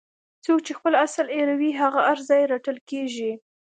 څوک چې خپل اصل هیروي هغه هر ځای رټل کیږي.